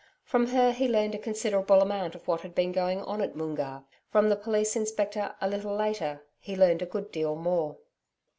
From her he learned a considerable amount of what had been going on at Moongarr. From the Police Inspector, a little later, he learned a good deal more.